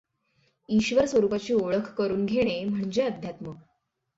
ईश्वरस्वरूपाची ओळख करून घेणे म्हणजे अध्यात्म.